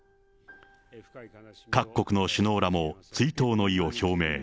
各国の首脳らも追悼の意を表明。